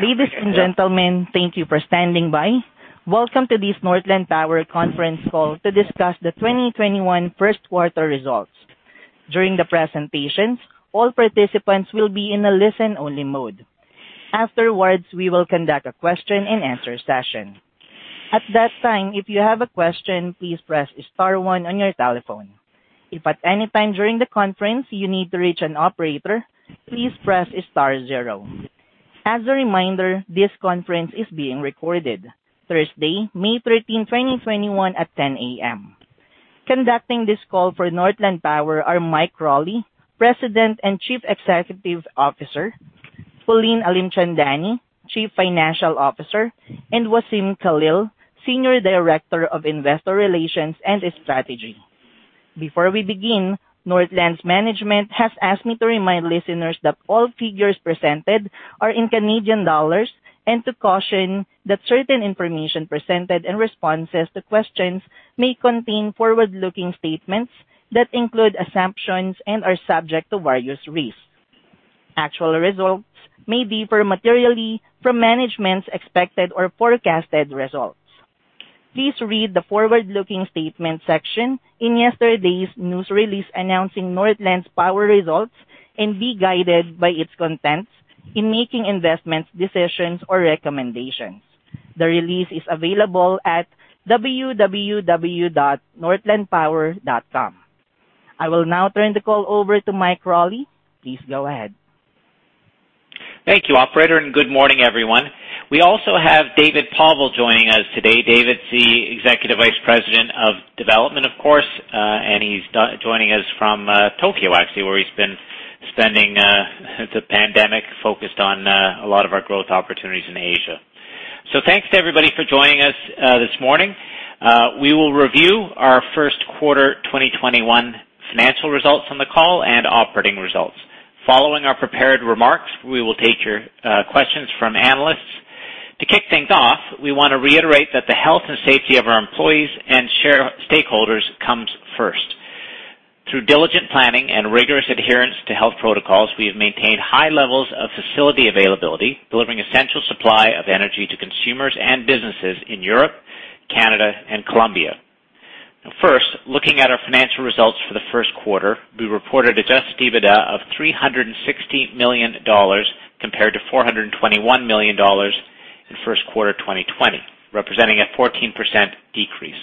Ladies and gentlemen, thank you for standing by. Welcome to this Northland Power conference call to discuss the 2021 first quarter results. During the presentations, all participants will be in a listen-only mode. Afterwards, we will conduct a question-and-answer session. At that time, if you have a question, please press star one on your telephone. If at any time during the conference you need to reach an operator, please press star zero. As a reminder, this conference is being recorded. Thursday, May 13, 2021, at 10:00 A.M. Conducting this call for Northland Power are Mike Crawley, President and Chief Executive Officer, Pauline Alimchandani, Chief Financial Officer, and Wassem Khalil, Senior Director of Investor Relations and Strategy. Before we begin, Northland's management has asked me to remind listeners that all figures presented are in Canadian dollars, and to caution that certain information presented and responses to questions may contain forward-looking statements that include assumptions and are subject to various risks. Actual results may differ materially from management's expected or forecasted results. Please read the forward-looking statement section in yesterday's news release announcing Northland Power's results and be guided by its contents in making investment decisions or recommendations. The release is available at www.northlandpower.com. I will now turn the call over to Mike Crawley. Please go ahead. Thank you, operator, and good morning, everyone. We also have David Povall joining us today. David's the Executive Vice President of Development, of course. He's joining us from Tokyo, actually, where he's been spending, since the pandemic, focused on a lot of our growth opportunities in Asia. Thanks to everybody for joining us this morning. We will review our first quarter 2021 financial results on the call and operating results. Following our prepared remarks, we will take your questions from analysts. To kick things off, we want to reiterate that the health and safety of our employees and shareholders comes first. Through diligent planning and rigorous adherence to health protocols, we have maintained high levels of facility availability, delivering essential supply of energy to consumers and businesses in Europe, Canada, and Colombia. First, looking at our financial results for the first quarter, we reported adjusted EBITDA of 360 million dollars compared to 421 million dollars in first quarter 2020, representing a 14% decrease.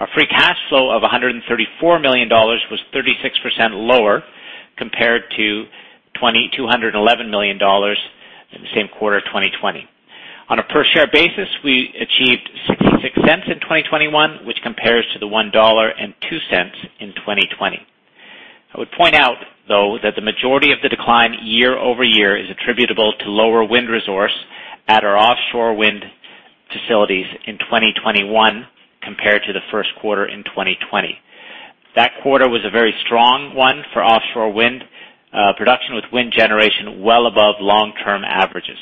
Our free cash flow of 134 million dollars was 36% lower compared to 211 million dollars in the same quarter 2020. On a per-share basis, we achieved 0.66 in 2021, which compares to the 1.02 dollar in 2020. I would point out, though, that the majority of the decline year-over-year is attributable to lower wind resource at our offshore wind facilities in 2021 compared to the first quarter in 2020. That quarter was a very strong one for offshore wind production, with wind generation well above long-term averages.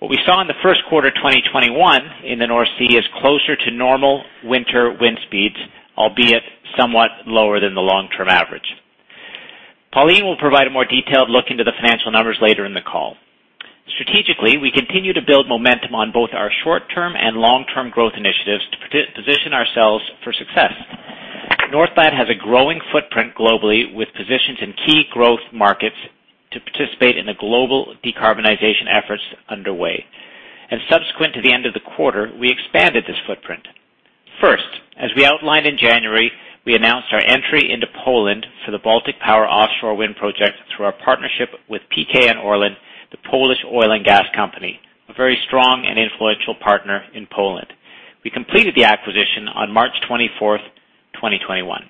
What we saw in the first quarter 2021 in the North Sea is closer to normal winter wind speeds, albeit somewhat lower than the long-term average. Pauline will provide a more detailed look into the financial numbers later in the call. Strategically, we continue to build momentum on both our short-term and long-term growth initiatives to position ourselves for success. Northland has a growing footprint globally, with positions in key growth markets to participate in the global decarbonization efforts underway. Subsequent to the end of the quarter, we expanded this footprint. First, as we outlined in January, we announced our entry into Poland for the Baltic Power offshore wind project through our partnership with PKN Orlen, the Polish oil and gas company, a very strong and influential partner in Poland. We completed the acquisition on March 24th, 2021.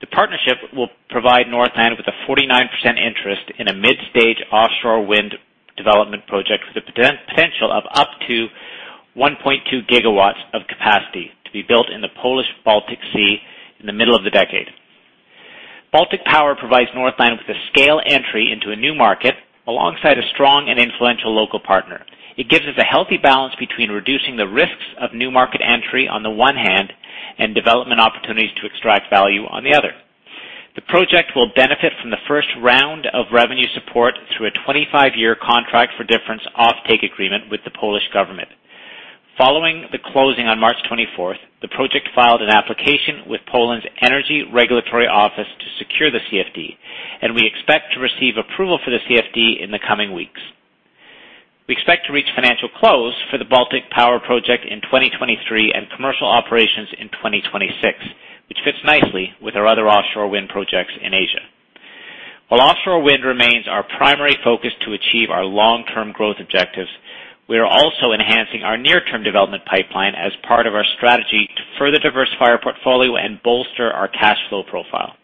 The partnership will provide Northland with a 49% interest in a mid-stage offshore wind development project with the potential of up to 1.2 GW of capacity to be built in the Polish Baltic Sea in the middle of the decade. Baltic Power provides Northland with a scale entry into a new market alongside a strong and influential local partner. It gives us a healthy balance between reducing the risks of new market entry on the one hand, and development opportunities to extract value on the other. The project will benefit from the first round of revenue support through a 25-year contract for difference offtake agreement with the Polish government. Following the closing on March 24th, the project filed an application with Poland's Energy Regulatory Office to secure the CFD, and we expect to receive approval for the CFD in the coming weeks. We expect to reach financial close for the Baltic Power project in 2023 and commercial operations in 2026, which fits nicely with our other offshore wind projects in Asia. While offshore wind remains our primary focus to achieve our long-term growth objectives, we are also enhancing our near-term development pipeline as part of our strategy to further diversify our portfolio and bolster our cash flow profile.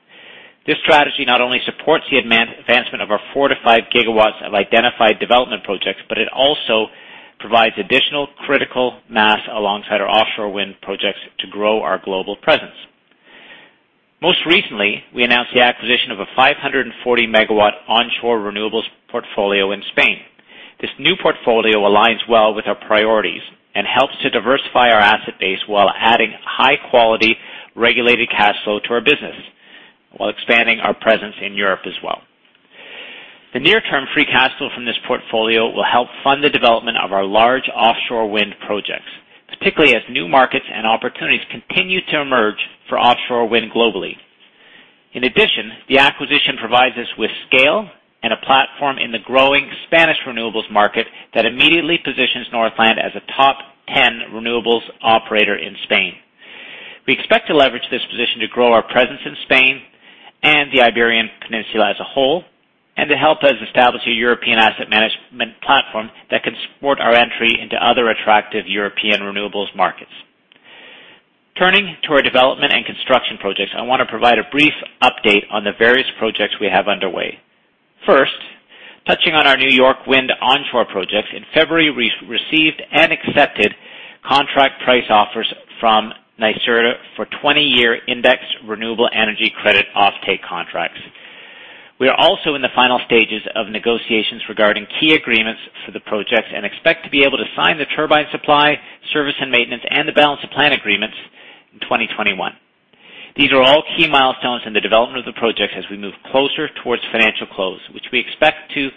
This strategy not only supports the advancement of our 4 GW-5 GW of identified development projects, but it also provides additional critical mass alongside our offshore wind projects to grow our global presence. Most recently, we announced the acquisition of a 540 MW onshore renewables portfolio in Spain. This new portfolio aligns well to diversify our asset base while adding high-quality regulated cash flow to our business, while expanding our presence in Europe as well. The near-term free cash flow from this portfolio will help fund the development of our large offshore wind projects, particularly as new markets and opportunities continue to emerge for offshore wind globally. In addition, the acquisition provides us with scale and a platform in the growing Spanish renewables market that immediately positions Northland as a top 10 renewables operator in Spain. We expect to leverage this position to grow our presence in Spain and the Iberian Peninsula as a whole, and to help us establish a European asset management platform that can support our entry into other attractive European renewables markets. Turning to our development and construction projects, I want to provide a brief update on the various projects we have underway. First, touching on our New York Wind onshore projects, in February, we received and accepted contract price offers from NYSERDA for 20-year indexed renewable energy credit offtake contracts. We are also in the final stages of negotiations regarding key agreements for the projects and expect to be able to sign the turbine supply, service and maintenance, and the balance of plant agreements in 2021. These are all key milestones in the development of the project as we move closer towards financial close, which we expect to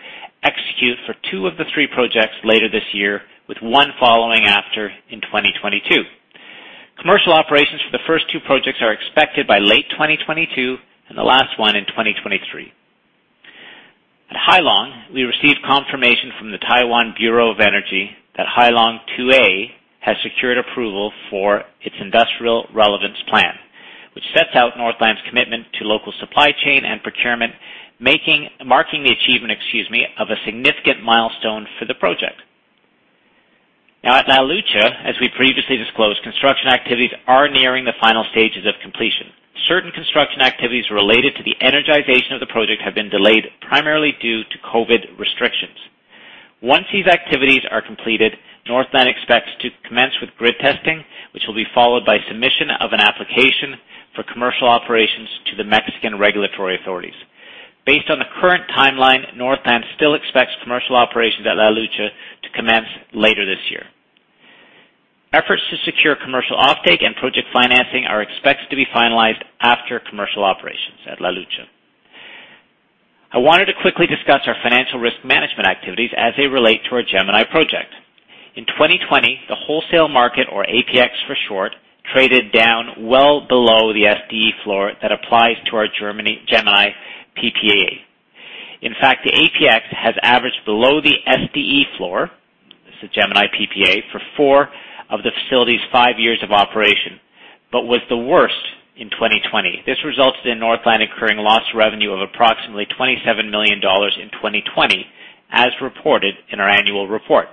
execute for two of the three projects later this year, with one following after in 2022. Commercial operations for the first two projects are expected by late 2022, and the last one in 2023. At Hai Long, we received confirmation from the Taiwan Bureau of Energy that Hai Long 2A has secured approval for its industrial relevance plan, which sets out Northland's commitment to local supply chain and procurement, marking the achievement, excuse me, of a significant milestone for the project. Now at La Lucha, as we previously disclosed, construction activities are nearing the final stages of completion. Certain construction activities related to the energization of the project have been delayed, primarily due to COVID restrictions. Once these activities are completed, Northland expects to commence with grid testing, which will be followed by submission of an application for commercial operations to the Mexican regulatory authorities. Based on the current timeline, Northland still expects commercial operations at La Lucha to commence later this year. Efforts to secure commercial offtake and project financing are expected to be finalized after commercial operations at La Lucha. I wanted to quickly discuss our financial risk management activities as they relate to our Gemini project. In 2020, the wholesale market, or APX for short, traded down well below the SDE floor that applies to our Gemini PPA. In fact, the APX has averaged below the SDE floor, it's the Gemini PPA, for four of the facility's five years of operation, but was the worst in 2020. This resulted in Northland incurring lost revenue of approximately 27 million dollars in 2020, as reported in our annual report.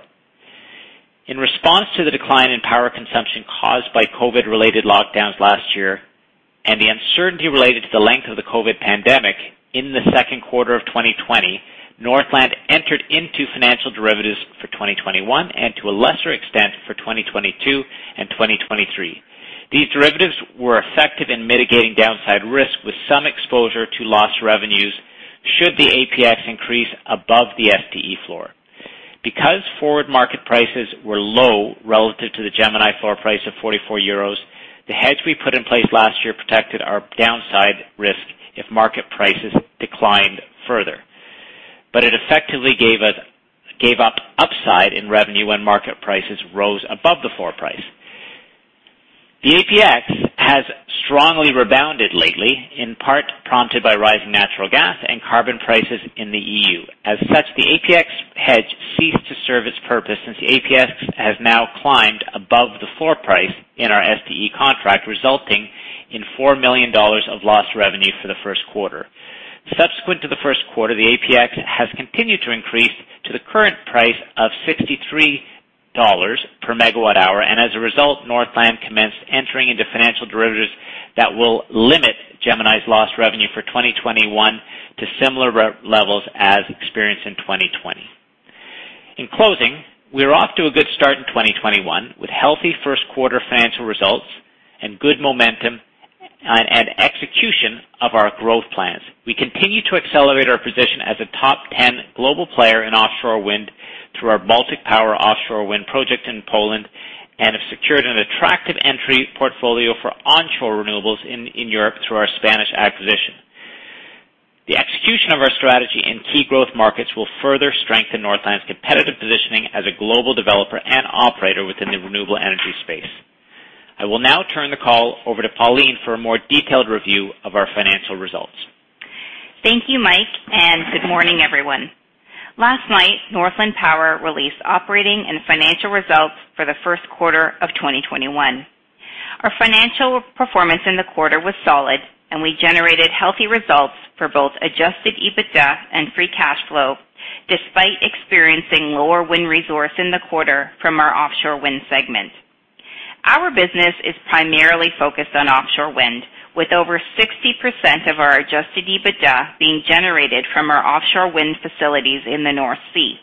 In response to the decline in power consumption caused by COVID-related lockdowns last year and the uncertainty related to the length of the COVID pandemic in the second quarter of 2020, Northland entered into financial derivatives for 2021, and to a lesser extent, for 2022 and 2023. These derivatives were effective in mitigating downside risk with some exposure to lost revenues should the APX increase above the SDE floor. Because forward market prices were low relative to the Gemini floor price of 44 euros, the hedge we put in place last year protected our downside risk if market prices declined further. It effectively gave up upside in revenue when market prices rose above the floor price. The APX has strongly rebounded lately, in part prompted by rising natural gas and carbon prices in the EU. As such, the APX hedge ceased to serve its purpose since the APX has now climbed above the floor price in our SDE contract, resulting in 4 million dollars of loss revenue for the first quarter. Subsequent to the first quarter, the APX has continued to increase to the current price of 63 dollars per MWh, and as a result, Northland commenced entering into financial derivatives that will limit Gemini's lost revenue for 2021 to similar levels as experienced in 2020. In closing, we are off to a good start in 2021, with healthy first quarter financial results and good momentum and execution of our growth plans. We continue to accelerate our position as a top 10 global player in offshore wind through our Baltic Power offshore wind project in Poland, and have secured an attractive entry portfolio for onshore renewables in Europe through our Spanish acquisition. The execution of our strategy in key growth markets will further strengthen Northland's competitive positioning as a global developer and operator within the renewable energy space. I will now turn the call over to Pauline for a more detailed review of our financial results. Thank you, Mike, and good morning, everyone. Last night, Northland Power released operating and financial results for the first quarter of 2021. Our financial performance in the quarter was solid, and we generated healthy results for both adjusted EBITDA and free cash flow, despite experiencing lower wind resource in the quarter from our offshore wind segment. Our business is primarily focused on offshore wind, with over 60% of our adjusted EBITDA being generated from our offshore wind facilities in the North Sea.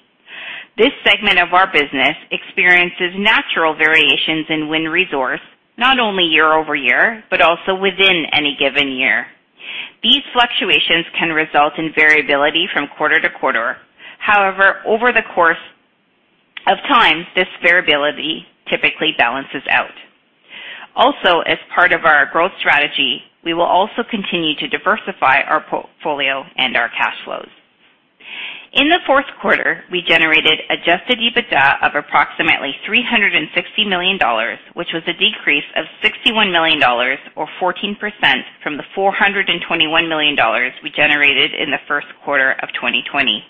This segment of our business experiences natural variations in wind resource, not only year-over-year, but also within any given year. Fluctuations can result in variability from quarter to quarter. However, over the course of time, this variability typically balances out. As part of our growth strategy, we will also continue to diversify our portfolio and our cash flows. In the fourth quarter, we generated adjusted EBITDA of approximately 360 million dollars, which was a decrease of 61 million dollars, or 14%, from the 421 million dollars we generated in the first quarter of 2020.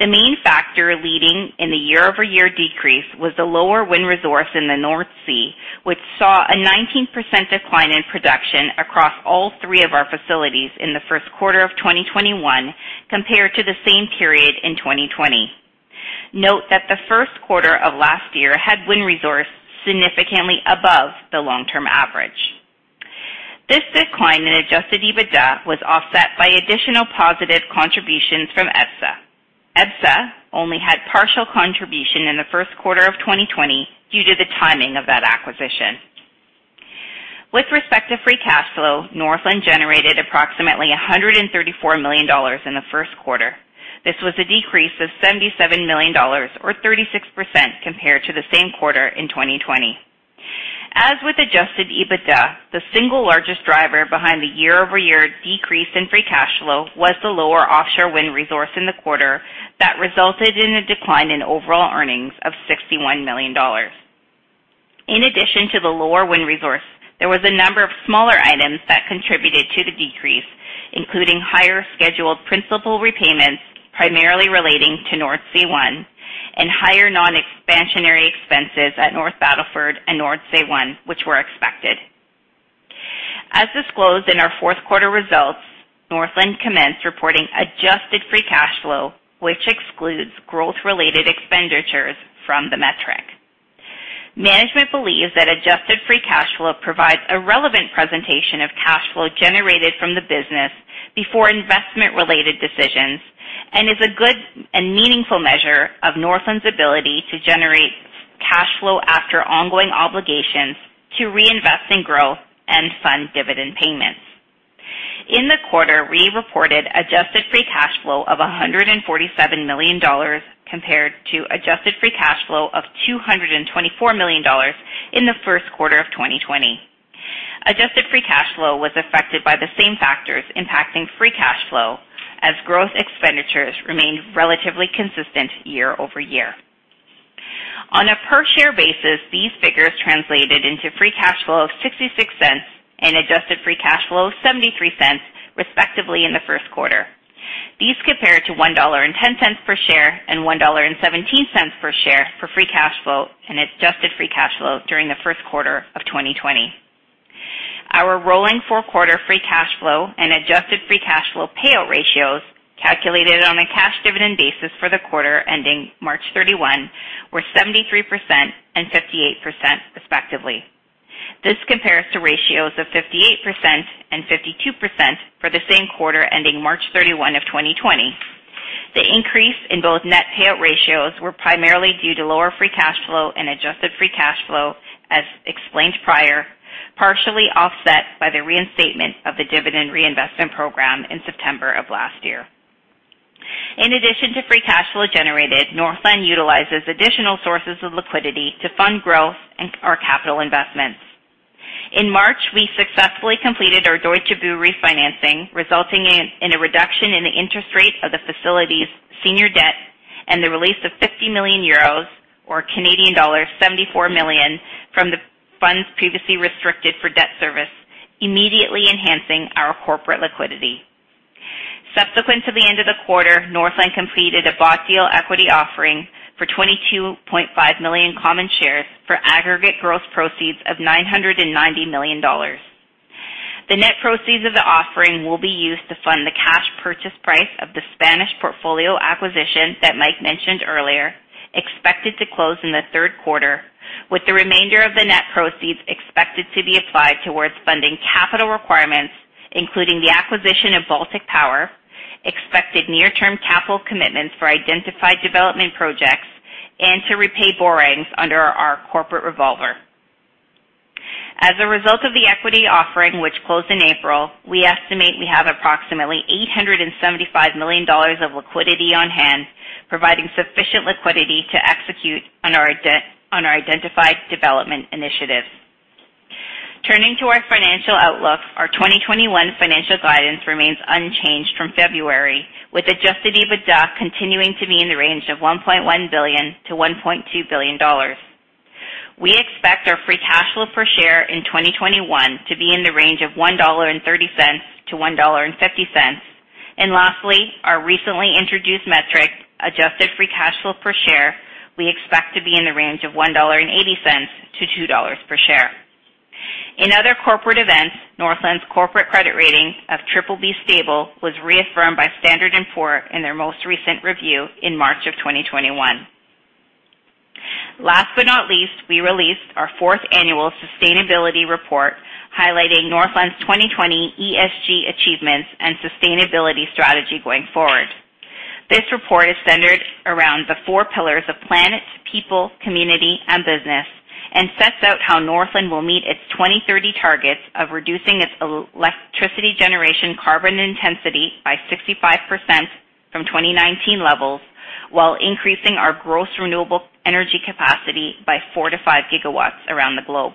The main factor leading in the year-over-year decrease was the lower wind resource in the North Sea, which saw a 19% decline in production across all three of our facilities in the first quarter of 2021 compared to the same period in 2020. Note that the first quarter of last year had wind resource significantly above the long-term average. This decline in adjusted EBITDA was offset by additional positive contributions from EBSA. EBSA only had partial contribution in the first quarter of 2020 due to the timing of that acquisition. With respect to free cash flow, Northland generated approximately 134 million dollars in the first quarter. This was a decrease of 77 million dollars, or 36%, compared to the same quarter in 2020. As with adjusted EBITDA, the single largest driver behind the year-over-year decrease in free cash flow was the lower offshore wind resource in the quarter that resulted in a decline in overall earnings of 61 million dollars. In addition to the lower wind resource, there was a number of smaller items that contributed to the decrease, including higher scheduled principal repayments, primarily relating to Nordsee One, and higher non-expansionary expenses at North Battleford and Nordsee One, which were expected. As disclosed in our fourth quarter results, Northland commenced reporting adjusted free cash flow, which excludes growth-related expenditures from the metric. Management believes that adjusted free cash flow provides a relevant presentation of cash flow generated from the business before investment-related decisions, and is a good and meaningful measure of Northland's ability to generate cash flow after ongoing obligations to reinvest in growth and fund dividend payments. In the quarter, we reported adjusted free cash flow of 147 million dollars compared to adjusted free cash flow of 224 million dollars in the first quarter of 2020. Adjusted free cash flow was affected by the same factors impacting free cash flow as growth expenditures remained relatively consistent year-over-year. On a per-share basis, these figures translated into free cash flow of 0.66 and adjusted free cash flow of 0.73, respectively, in the first quarter. These compared to 1.10 dollar per share and 1.17 dollar per share for free cash flow and adjusted free cash flow during the first quarter of 2020. Our rolling four-quarter free cash flow and adjusted free cash flow payout ratios, calculated on a cash dividend basis for the quarter ending March 31, were 73% and 58%, respectively. This compares to ratios of 58% and 52% for the same quarter ending March 31, 2020. The increase in both net payout ratios were primarily due to lower free cash flow and adjusted free cash flow, as explained prior, partially offset by the reinstatement of the dividend reinvestment program in September of last year. In addition to free cash flow generated, Northland utilizes additional sources of liquidity to fund growth and our capital investments. In March, we successfully completed our Deutsche Bucht refinancing, resulting in a reduction in the interest rate of the facility's senior debt and the release of 50 million euros, or Canadian dollars 74 million, from the funds previously restricted for debt service, immediately enhancing our corporate liquidity. Subsequent to the end of the quarter, Northland completed a bought deal equity offering for 22.5 million common shares for aggregate gross proceeds of 990 million dollars. The net proceeds of the offering will be used to fund the cash purchase price of the Spanish portfolio acquisition that Mike mentioned earlier, expected to close in the third quarter, with the remainder of the net proceeds expected to be applied towards funding capital requirements, including the acquisition of Baltic Power, expected near-term capital commitments for identified development projects, and to repay borrowings under our corporate revolver. As a result of the equity offering, which closed in April, we estimate we have approximately 875 million dollars of liquidity on hand, providing sufficient liquidity to execute on our identified development initiatives. Turning to our financial outlook, our 2021 financial guidance remains unchanged from February, with adjusted EBITDA continuing to be in the range of 1.1 billion-1.2 billion dollars. We expect our free cash flow per share in 2021 to be in the range of 1.30-1.50 dollar. Lastly, our recently introduced metric, adjusted free cash flow per share, we expect to be in the range of 1.80-2 dollar per share. In other corporate events, Northland's corporate credit rating of BBB stable was reaffirmed by Standard & Poor's in their most recent review in March of 2021. Last but not least, we released our fourth annual sustainability report highlighting Northland's 2020 ESG achievements and sustainability strategy going forward. This report is centered around the four pillars of planet, people, community, and business, and sets out how Northland will meet its 2030 targets of reducing its electricity generation carbon intensity by 65% from 2019 levels, while increasing our gross renewable energy capacity by four to five gigawatts around the globe.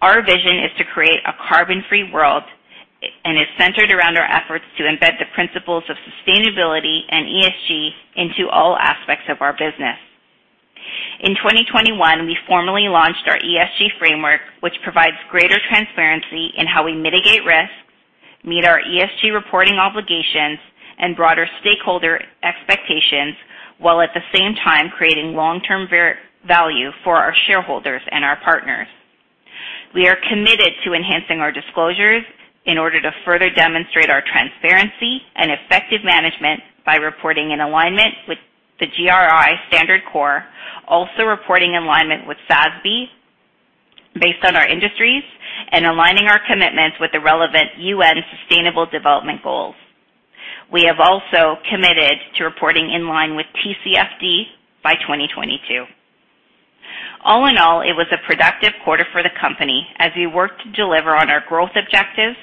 Our vision is to create a carbon-free world, is centered around our efforts to embed the principles of sustainability and ESG into all aspects of our business. In 2021, we formally launched our ESG framework, which provides greater transparency in how we mitigate risks, meet our ESG reporting obligations, and broader stakeholder expectations, while at the same time creating long-term value for our shareholders and our partners. We are committed to enhancing our disclosures in order to further demonstrate our transparency and effective management by reporting in alignment with the GRI Standards Core also reporting in alignment with SASB, based on our industries, and aligning our commitments with the relevant UN Sustainable Development Goals. We have also committed to reporting in line with TCFD by 2022. All in all, it was a productive quarter for the company as we worked to deliver on our growth objectives,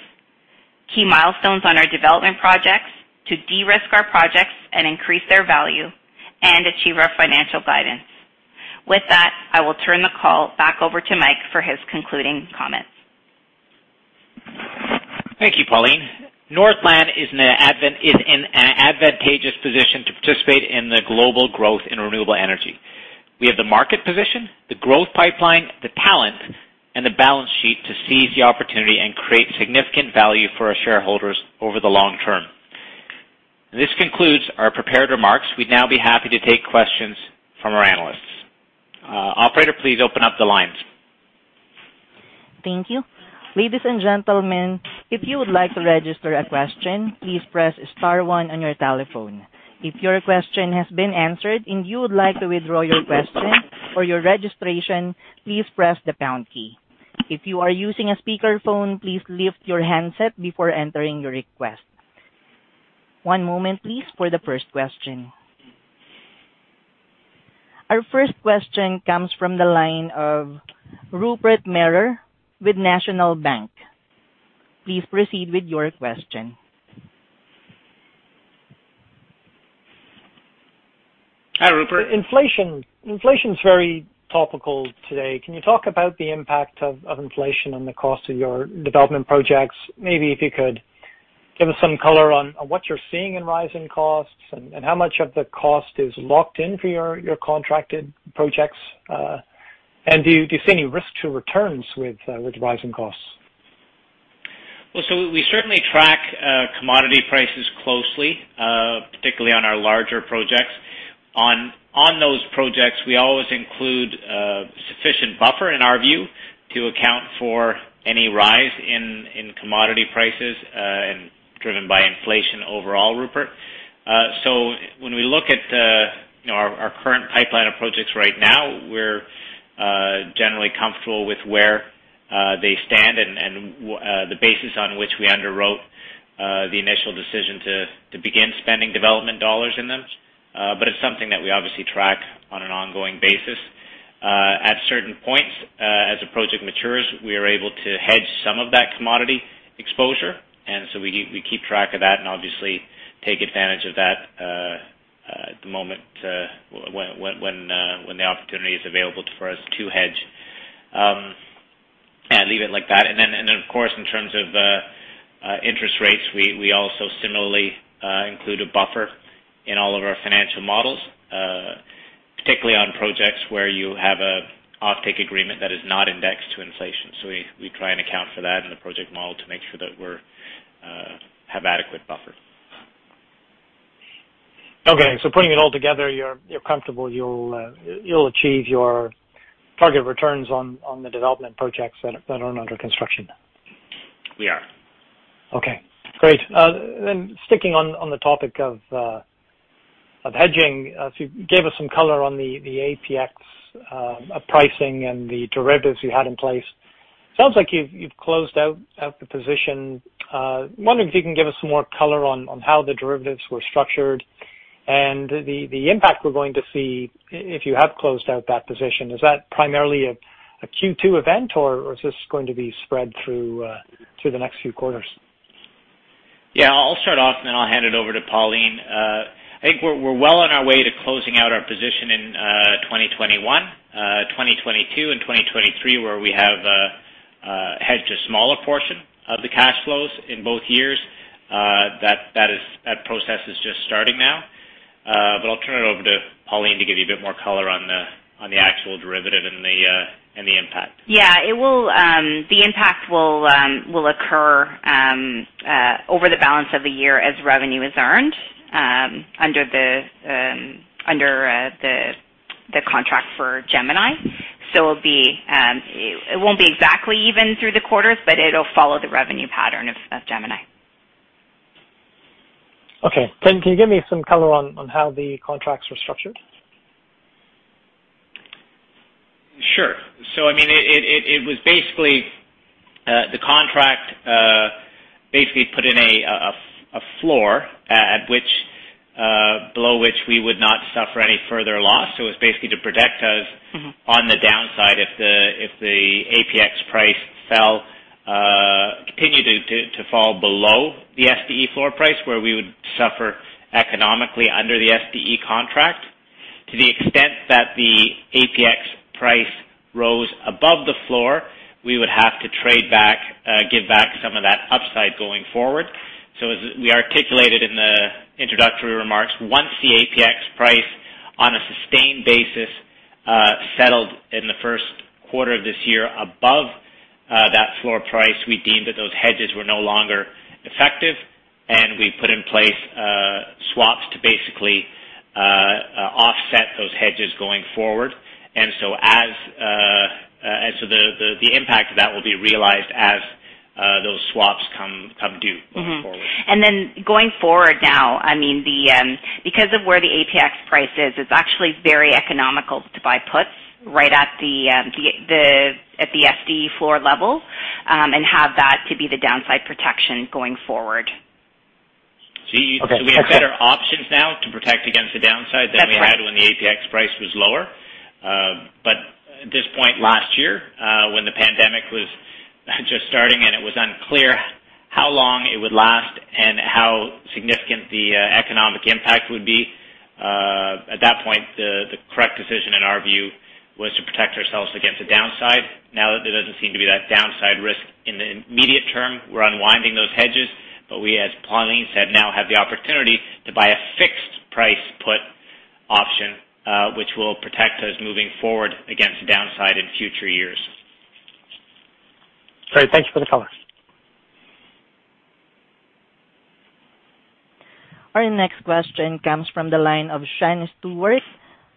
key milestones on our development projects, to de-risk our projects and increase their value, and achieve our financial guidance. With that, I will turn the call back over to Mike for his concluding comments. Thank you, Pauline. Northland is in an advantageous position to participate in the global growth in renewable energy. We have the market position, the growth pipeline, the talent, and the balance sheet to seize the opportunity and create significant value for our shareholders over the long term. This concludes our prepared remarks. We'd now be happy to take questions from our analysts. Operator, please open up the lines. Thank you. Ladies and gentlemen, if you would like to register a question, please press star one on your telephone. If your question has been answered and you would like to withdraw your question or your registration, please press the pound key. If you are using a speakerphone, please lift your handset before entering your request. One moment, please, for the first question. Our first question comes from the line of Rupert Merer with National Bank. Please proceed with your question. Hi, Rupert. Inflation is very topical today. Can you talk about the impact of inflation on the cost of your development projects? Maybe if you could give us some color on what you're seeing in rising costs and how much of the cost is locked in for your contracted projects. Do you see any risk to returns with rising costs? We certainly track commodity prices closely, particularly on our larger projects. On those projects, we always include a sufficient buffer, in our view, to account for any rise in commodity prices, and driven by inflation overall, Rupert. When we look at our current pipeline of projects right now, we're generally comfortable with where they stand and the basis on which we underwrote the initial decision to begin spending development dollars in them. It's something that we obviously track on an ongoing basis. At certain points, as a project matures, we are able to hedge some of that commodity exposure. We keep track of that and obviously take advantage of that at the moment when the opportunity is available for us to hedge. I'll leave it like that. Of course, in terms of interest rates, we also similarly include a buffer in all of our financial models, particularly on projects where you have an offtake agreement that is not indexed to inflation. We try and account for that in the project model to make sure that we have adequate buffer. Okay. Putting it all together, you're comfortable you'll achieve your target returns on the development projects that aren't under construction? We are. Okay, great. Sticking on the topic of hedging, you gave us some color on the APX pricing and the derivatives you had in place. Sounds like you've closed out the position. Wondering if you can give us some more color on how the derivatives were structured and the impact we're going to see if you have closed out that position? Is that primarily a Q2 event, or is this going to be spread through the next few quarters? I'll start off, then I'll hand it over to Pauline. I think we're well on our way to closing out our position in 2021, 2022, and 2023, where we have hedged a smaller portion of the cash flows in both years. That process is just starting now. I'll turn it over to Pauline to give you a bit more color on the actual derivative and the impact. The impact will occur over the balance of the year as revenue is earned under the contract for Gemini. It won't be exactly even through the quarters, but it'll follow the revenue pattern of Gemini. Okay. Can you give me some color on how the contracts were structured? Sure. It was basically the contract put in a floor below which we would not suffer any further loss. It was basically to protect us on the downside if the APX price continued to fall below the SDE floor price, where we would suffer economically under the SDE contract. To the extent that the APX price rose above the floor, we would have to trade back, give back some of that upside going forward. As we articulated in the introductory remarks, once the APX price on a sustained basis, settled in the first quarter of this year above that floor price, we deemed that those hedges were no longer effective, and we put in place swaps to basically offset those hedges going forward. The impact of that will be realized as those swaps come due going forward. Going forward now, because of where the APX price is, it's actually very economical to buy puts right at the SDE floor level and have that to be the downside protection going forward. We have better options now to protect against the downside than we had. That's right. when the APX price was lower. At this point last year, when the pandemic was just starting and it was unclear how long it would last and how significant the economic impact would be, at that point, the correct decision in our view, was to protect ourselves against the downside. Now that there doesn't seem to be that downside risk in the immediate term, we're unwinding those hedges. We, as Pauline said, now have the opportunity to buy a fixed price put option, which will protect us moving forward against the downside in future years. Great. Thank you for the color. Our next question comes from the line of Sean Steuart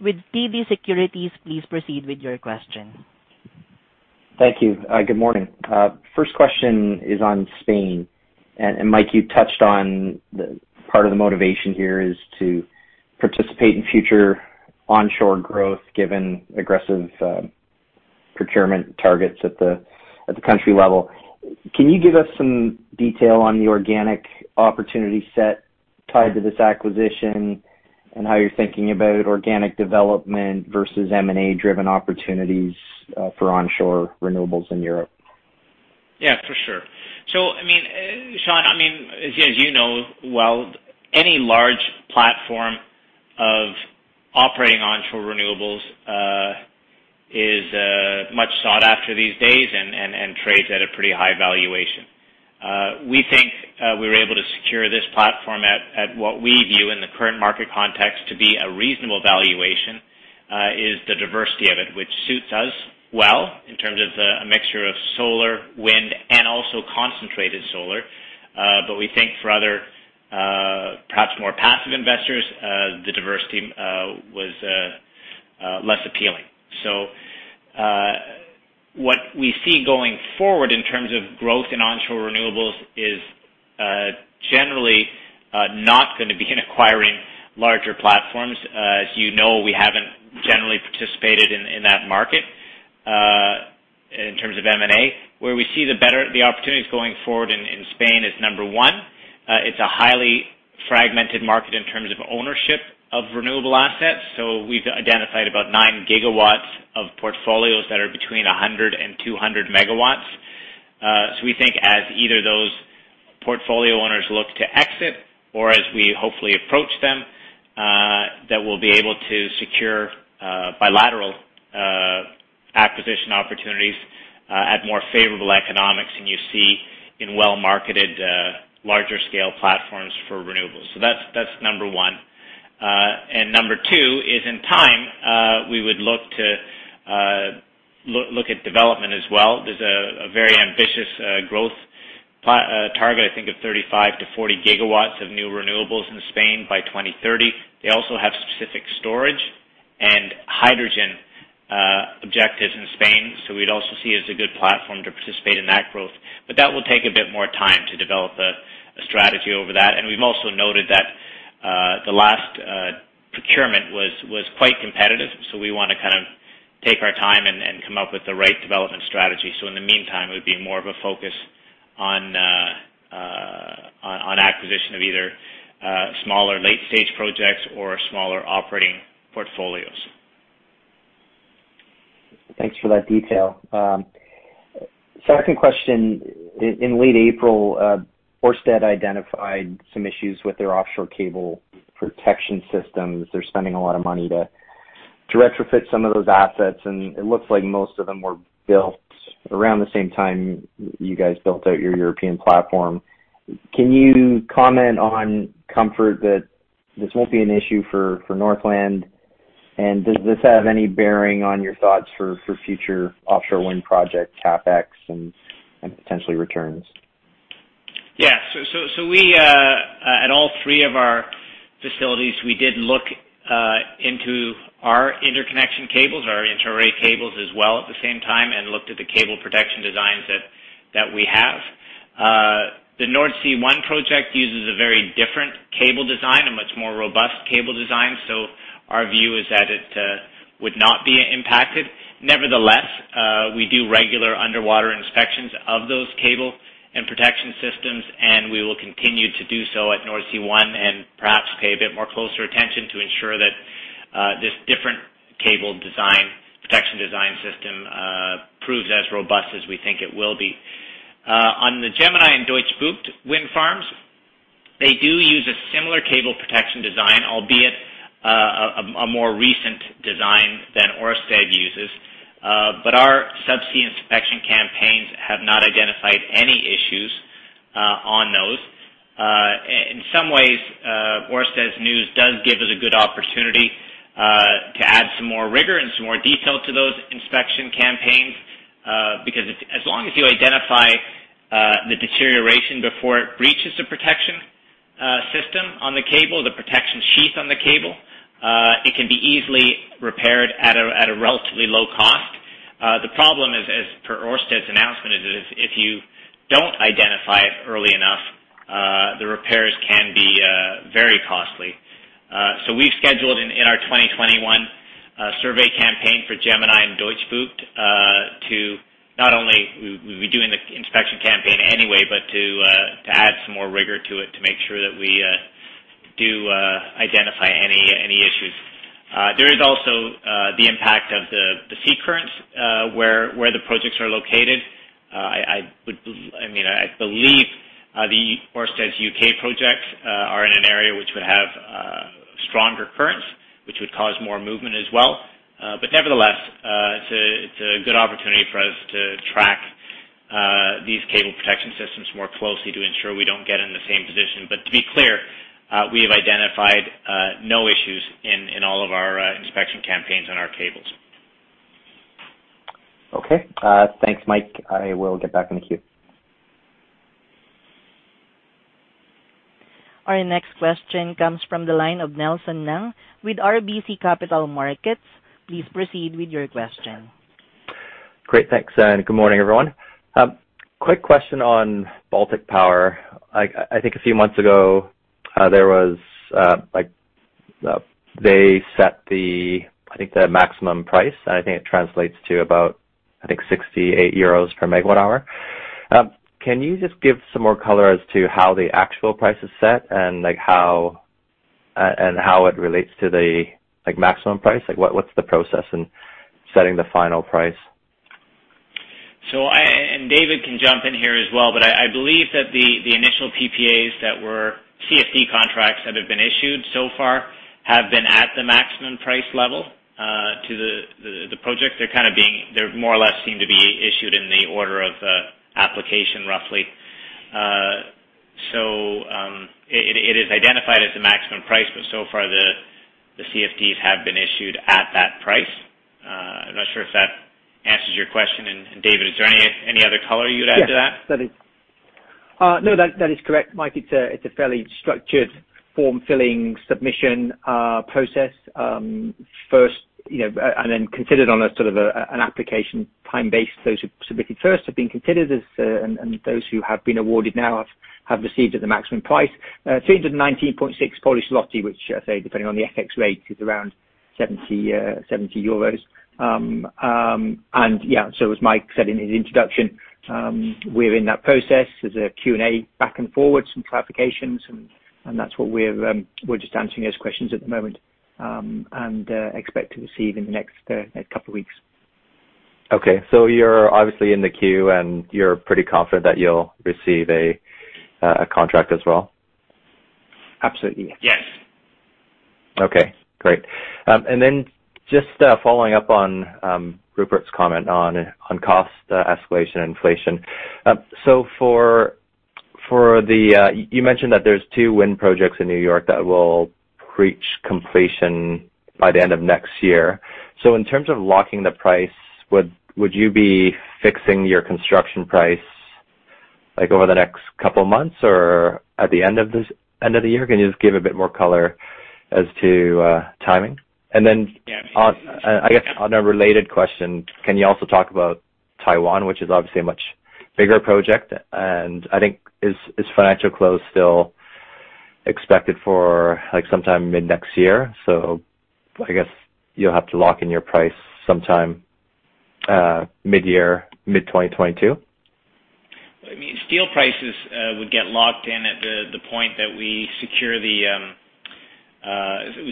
with TD Securities. Please proceed with your question. Thank you. Good morning. First question is on Spain. Mike, you touched on the part of the motivation here is to participate in future onshore growth, given aggressive procurement targets at the country level. Can you give us some detail on the organic opportunity set tied to this acquisition and how you're thinking about organic development versus M&A driven opportunities for onshore renewables in Europe? For sure. Sean, as you know, while any large platform of operating onshore renewables is much sought after these days and trades at a pretty high valuation. We think we were able to secure this platform at what we view in the current market context to be a reasonable valuation, is the diversity of it, which suits us well in terms of the mixture of solar, wind, and also concentrated solar. We think for other perhaps more passive investors, the diversity was less appealing. What we see going forward in terms of growth in onshore renewables is generally not going to be in acquiring larger platforms. As you know, we haven't generally participated in that market in terms of M&A. Where we see the opportunities going forward in Spain is number one, it's a highly fragmented market in terms of ownership of renewable assets. We've identified about 9 GW of portfolios that are between 100 MW and 200 MW. We think as either those portfolio owners look to exit or as we hopefully approach them, that we'll be able to secure bilateral acquisition opportunities at more favorable economics than you see in well-marketed larger scale platforms for renewables. That's number one. Number two is in time, we would look at development as well. There's a very ambitious growth target, I think of 35 GW-40 GW of new renewables in Spain by 2030. They also have specific storage and hydrogen objectives in Spain. We'd also see as a good platform to participate in that growth. That will take a bit more time to develop a strategy over that. We've also noted that the last procurement was quite competitive. We want to take our time and come up with the right development strategy. In the meantime, it would be more of a focus on acquisition of either smaller late-stage projects or smaller operating portfolios. Thanks for that detail. Second question, in late April, Ørsted identified some issues with their offshore cable protection systems. They're spending a lot of money to retrofit some of those assets, and it looks like most of them were built around the same time you guys built out your European platform. Can you comment on comfort that this won't be an issue for Northland? Does this have any bearing on your thoughts for future offshore wind project CapEx and potentially returns? At all three of our facilities, we did look into our interconnection cables, our inter-array cables as well at the same time and looked at the cable protection designs that we have. The Nordsee One project uses a very different cable design, a much more robust cable design. Our view is that it would not be impacted. Nevertheless, we do regular underwater inspections of those cable and protection systems, and we will continue to do so at Nordsee One and perhaps pay a bit more closer attention to ensure that this different cable design, protection design system proves as robust as we think it will be. On the Gemini and Deutsche Bucht wind farms, they do use a similar cable protection design, albeit a more recent design than Ørsted uses. Our subsea inspection campaigns have not identified any issues on those. In some ways, Ørsted's news does give us a good opportunity to add some more rigor and some more detail to those inspection campaigns. As long as you identify the deterioration before it breaches the protection system on the cable, the protection sheath on the cable, it can be easily repaired at a relatively low cost. The problem is as per Ørsted's announcement, is if you don't identify it early enough, the repairs can be very costly. We've scheduled in our 2021 survey campaign for Gemini and Deutsche Bucht, to not only we'll be doing the inspection campaign anyway, but to add some more rigor to it to make sure that we do identify any issues. There is also the impact of the sea currents, where the projects are located. I believe the Ørsted's U.K. projects are in an area which would have stronger currents, which would cause more movement as well. Nevertheless, it's a good opportunity for us to track these cable protection systems more closely to ensure we don't get in the same position. To be clear, we have identified no issues in all of our inspection campaigns on our cables. Okay. Thanks, Mike. I will get back in the queue. Our next question comes from the line of Nelson Ng with RBC Capital Markets. Please proceed with your question. Great. Thanks, and good morning, everyone. Quick question on Baltic Power. I think a few months ago, they set the, I think the maximum price, and I think it translates to about, I think 68 euros per MWh. Can you just give some more color as to how the actual price is set and how it relates to the maximum price? What's the process in setting the final price? David can jump in here as well, but I believe that the initial PPAs that were CFD contracts that have been issued so far have been at the maximum price level to the project. They're more or less seem to be issued in the order of application, roughly. It is identified as the maximum price, but so far the CFDs have been issued at that price. I'm not sure if that answers your question. David, is there any other color you'd add to that? Yes. No, that is correct, Mike. It's a fairly structured form filling submission process. First, and then considered on a sort of an application time-based. Those who submitted first have been considered. Those who have been awarded now have received at the maximum price, 319.6, which I say depending on the FX rate, is around 70. Yeah, as Mike said in his introduction, we're in that process. There's a Q&A back and forward, some clarifications. That's what we're just answering those questions at the moment. We expect to receive in the next couple of weeks. Okay. You're obviously in the queue, and you're pretty confident that you'll receive a contract as well? Absolutely. Yes. Okay, great. Just following up on Rupert's comment on cost escalation and inflation. You mentioned that there's two wind projects in New York that will reach completion by the end of next year. In terms of locking the price, would you be fixing your construction price over the next couple of months or at the end of the year? Can you just give a bit more color as to timing? Yeah I guess on a related question, can you also talk about Taiwan, which is obviously a much bigger project, and I think its financial close still expected for sometime mid next year, so I guess you'll have to lock in your price sometime mid-year, mid-2022. Steel prices would get locked in at the point that we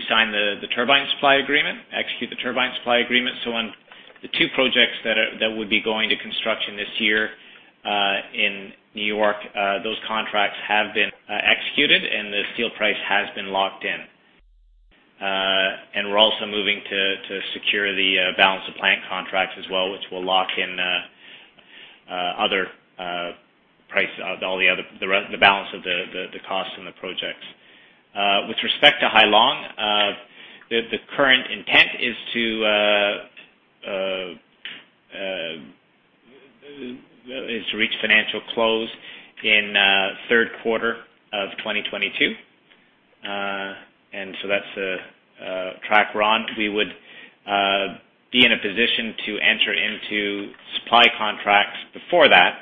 sign the turbine supply agreement, execute the turbine supply agreement. On the two projects that would be going to construction this year, in New York, those contracts have been executed, and the steel price has been locked in. We're also moving to secure the balance of plant contracts as well, which will lock in the balance of the cost in the projects. With respect to Hai Long, the current intent is to reach financial close in third quarter of 2022. That's a track we're on. We would be in a position to enter into supply contracts before that,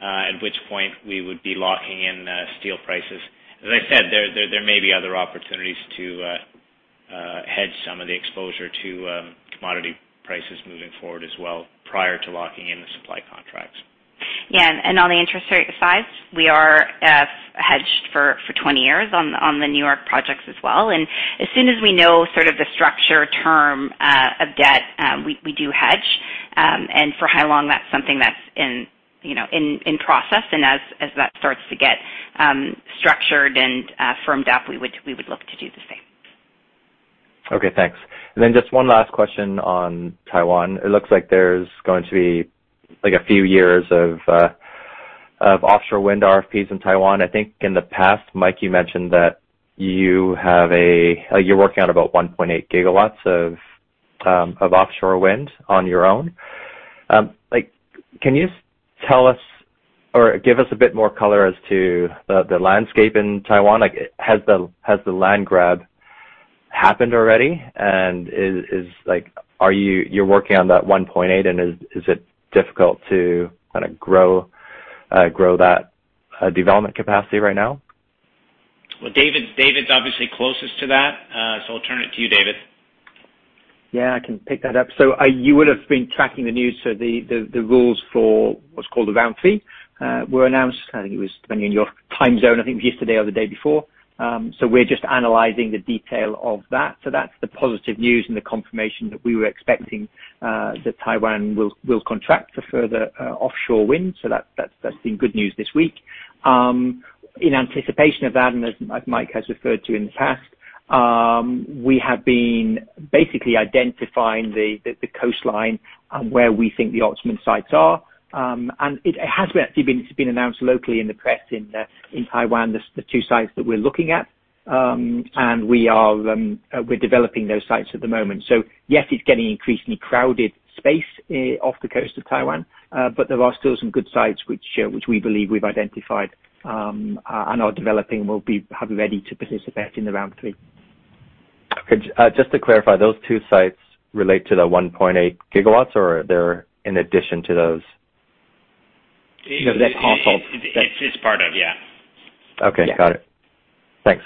at which point we would be locking in steel prices. As I said, there may be other opportunities to hedge some of the exposure to commodity prices moving forward as well, prior to locking in the supply contracts. On the interest rate side, we are hedged for 20 years on the New York projects as well. As soon as we know sort of the structure term of debt, we do hedge. For how long, that's something that's in process, and as that starts to get structured and firmed up, we would love to do the same. Okay, thanks. Just one last question on Taiwan. It looks like there's going to be a few years of offshore wind RFPs in Taiwan. I think in the past, Mike, you mentioned that you're working on about 1.8 GW of offshore wind on your own. Can you tell us or give us a bit more color as to the landscape in Taiwan? Has the land grab happened already? You're working on that 1.8 GW, and is it difficult to grow that development capacity right now? Well, David's obviously closest to that, so I'll turn it to you, David. Yeah, I can pick that up. You would have been tracking the news, so the rules for what's called a Round 3 were announced, I think it was, depending on your time zone, I think it was yesterday or the day before. We're just analyzing the detail of that. That's the positive news and the confirmation that we were expecting that Taiwan will contract for further offshore wind. That's been good news this week. In anticipation of that, and as Mike has referred to in the past, we have been basically identifying the coastline and where we think the optimum sites are. It has actually been announced locally in the press in Taiwan, the two sites that we're looking at. We're developing those sites at the moment. Yes, it's getting increasingly crowded space off the coast of Taiwan. There are still some good sites which we believe we've identified and are developing, will have ready to participate in the Round 3. Okay. Just to clarify, those two sites relate to the 1.8 GW, or they're in addition to those? It's part of, yeah. Okay. Got it. Thanks.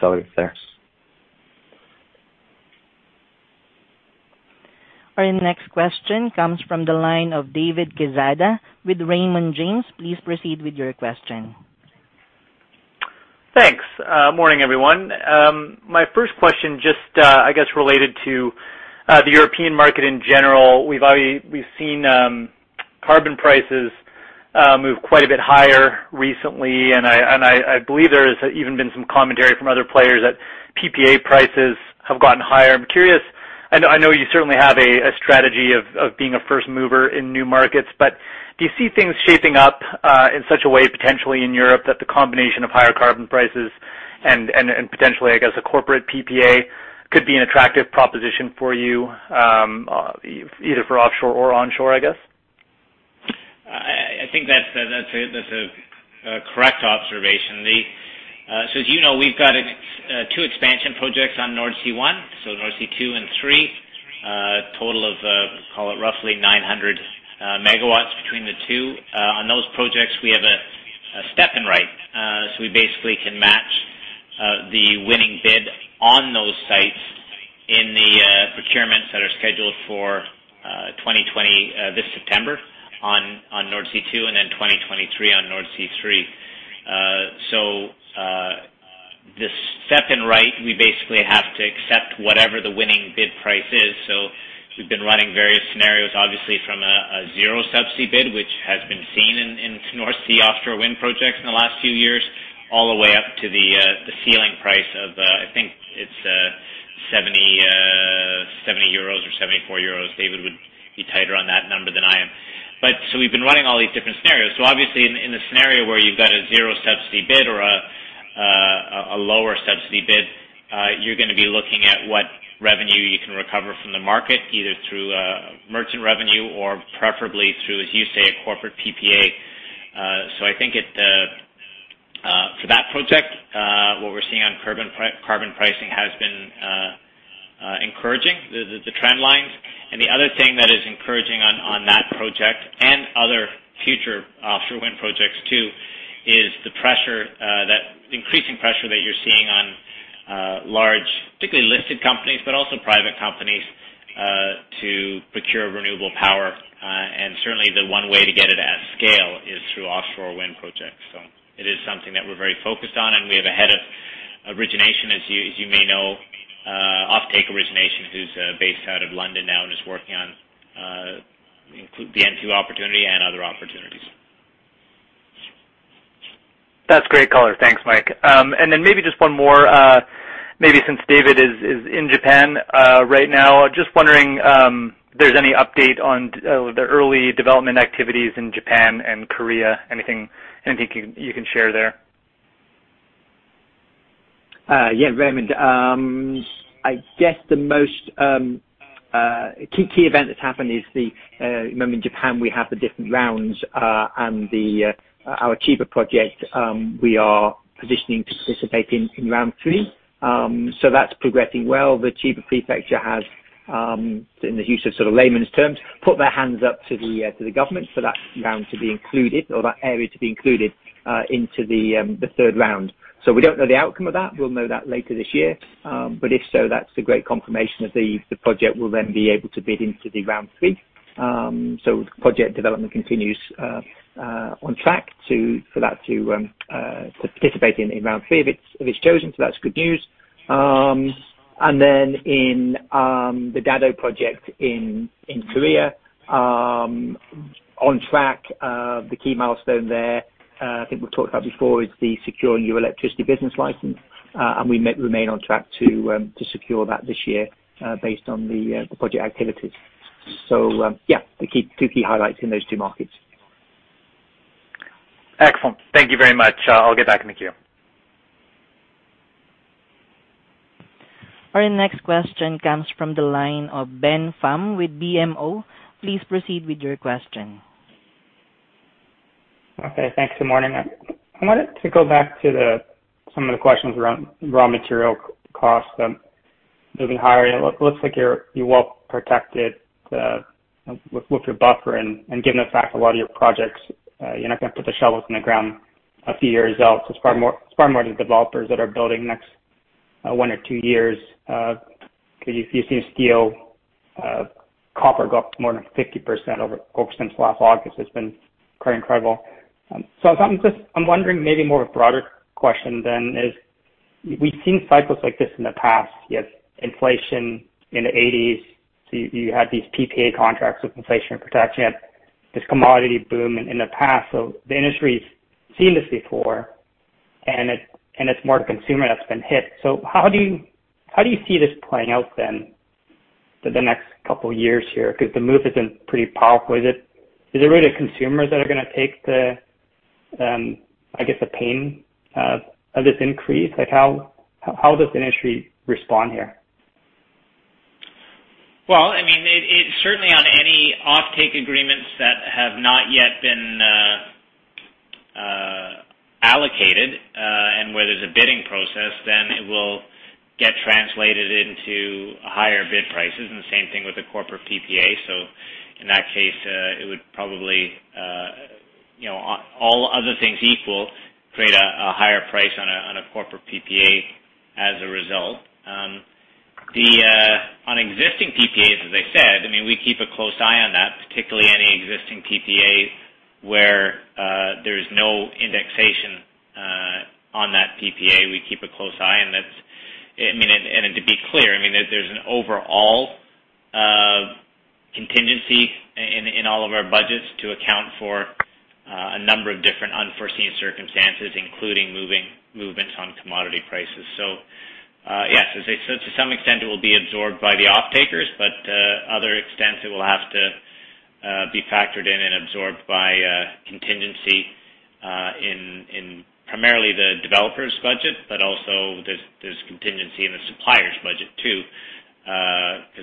Our next question comes from the line of David Quezada with Raymond James. Please proceed with your question. Thanks. Morning, everyone. My first question just, I guess, related to the European market in general. We've seen carbon prices move quite a bit higher recently, and I believe there's even been some commentary from other players that PPA prices have gotten higher. I'm curious, I know you certainly have a strategy of being a first mover in new markets, but do you see things shaping up in such a way, potentially in Europe that the combination of higher carbon prices and potentially, I guess, a corporate PPA could be an attractive proposition for you, either for offshore or onshore, I guess? I think that's a correct observation. As you know, we've got two expansion projects on Nordsee One, Nordsee Two and Three, a total of, call it roughly 900 MW between the two. On those projects, we have a step-in right. We basically can match the winning bid on those sites in the procurements that are scheduled for 2020, this September on Nordsee Two, and then 2023 on Nordsee Three. The step-in right, we basically have to accept whatever the winning bid price is. We've been running various scenarios, obviously, from a zero-subsidy bid, which has been seen in Nordsee offshore wind projects in the last few years, all the way up to the ceiling price of, I think it's 70 or 74 euros. David would be tighter on that number than I am. We've been running all these different scenarios. Obviously, in the scenario where you've got a zero-subsidy bid or a lower subsidy bid, you're going to be looking at what revenue you can recover from the market, either through merchant revenue or preferably through, as you say, a corporate PPA. I think for that project, what we're seeing on carbon pricing has been encouraging, the trend lines. The other thing that is encouraging on that project and other future offshore wind projects, too, is the increasing pressure that you're seeing on large, particularly listed companies, but also private companies, to procure renewable power. Certainly, the one way to get it at scale is through offshore wind projects. It is something that we're very focused on, and we have a head of origination, as you may know, offtake origination, who's based out of London now and is working on the N2 opportunity and other opportunities. That's great color. Thanks, Mike. Maybe just one more, maybe since David is in Japan right now. Just wondering if there's any update on the early development activities in Japan and Korea. Anything you can share there? Yeah, David. I guess the most key event that's happened is the, remember in Japan, we have the different rounds, and our Chiba project, we are positioning to participate in Round 3. That's progressing well. The Chiba prefecture has, in the use of sort of layman's terms, put their hands up to the government for that round to be included or that area to be included into the third round. We don't know the outcome of that. We'll know that later this year. If so, that's a great confirmation of the project will then be able to bid into the Round 3. Project development continues on track for that to participate in Round 3 if it's chosen. That's good news. In the Dado project in Korea, on track. The key milestone there, I think we've talked about before, is the securing your electricity business license. We remain on track to secure that this year, based on the project activities. Yeah, the two key highlights in those two markets. Excellent. Thank you very much. I will get back in the queue. Our next question comes from the line of Ben Pham with BMO. Please proceed with your question. Okay. Thanks. Good morning. I wanted to go back to some of the questions around raw material costs moving higher. It looks like you're well protected with your buffer and given the fact a lot of your projects, you're not going to put the shovels in the ground a few years out. It's far more the developers that are building next one or two years. You've seen steel, copper go up more than 50% over since last August. It's been quite incredible. I'm wondering maybe more a broader question then is, we've seen cycles like this in the past. You have inflation in the 1980s. You had these PPA contracts with inflation protection. This commodity boom in the past. The industry's seen this before, and it's more the consumer that's been hit. How do you see this playing out then for the next couple years here? The move has been pretty powerful. Is it really the consumers that are going to take the pain of this increase? How does the industry respond here? Well, certainly on any offtake agreements that have not yet been allocated, and where there's a bidding process, then it will get translated into higher bid prices, and the same thing with a corporate PPA. In that case, it would probably all other things equal, create a higher price on a corporate PPA as a result. On existing PPAs, as I said, we keep a close eye on that, particularly any existing PPAs where there's no indexation on that PPA. We keep a close eye on it. To be clear, there's an overall contingency in all of our budgets to account for a number of different unforeseen circumstances, including movements on commodity prices. Yes, to some extent, it will be absorbed by the offtakers, but other extents, it will have to be factored in and absorbed by contingency, in primarily the developer's budget, but also there's contingency in the supplier's budget, too.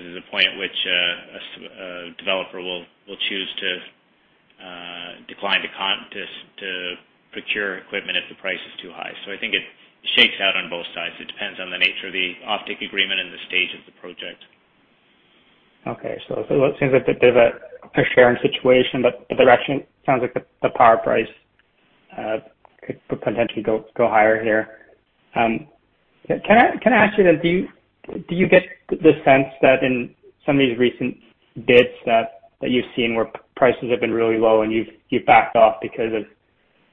There's a point at which a developer will choose to decline to procure equipment if the price is too high. I think it shakes out on both sides. It depends on the nature of the offtake agreement and the stage of the project. Okay. It seems like there's a share situation, but the direction sounds like the power price could potentially go higher here. Can I ask you, do you get the sense that in some of these recent bids that you've seen where prices have been really low and you've backed off because of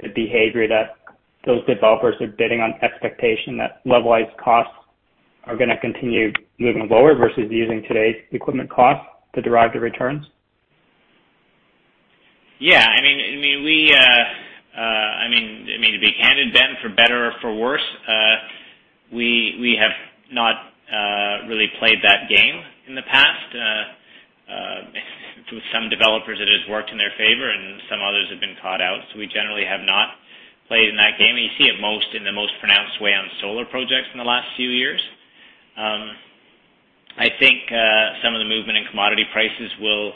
the behavior that those developers are bidding on expectation that levelized costs are going to continue moving lower versus using today's equipment cost to derive the returns? Yeah. To be candid, Ben, for better or for worse, we have not really played that game in the past. To some developers, it has worked in their favor, and some others have been caught out. We generally have not played in that game. You see it in the most pronounced way on solar projects in the last few years. I think some of the movement in commodity prices will,